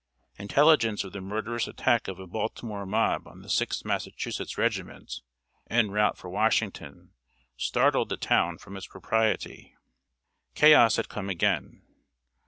Intelligence of the murderous attack of a Baltimore mob on the Sixth Massachusetts regiment, en route for Washington, startled the town from its propriety. Chaos had come again.